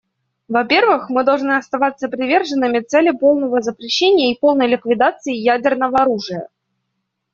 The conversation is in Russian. Во-первых, мы должны оставаться приверженными цели полного запрещения и полной ликвидации ядерного оружия.